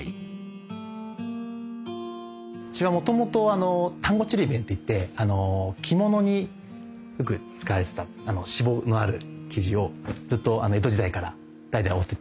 うちはもともと丹後ちりめんっていって着物によく使われてたシボのある生地をずっと江戸時代から代々織ってた家でして。